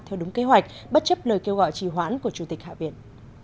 theo đúng kế hoạch bất chấp lời kêu gọi trì hoãn của chủ tịch hạ viện